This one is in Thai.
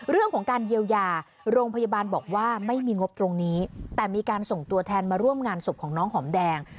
เรื่องของการเยียวยาโรงพยาบาลบอกว่าไม่มีงบตรงนี้แต่มีการส่งตัวแทนมาร่วมงานศพของน้องหอมแดง